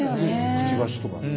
くちばしとか。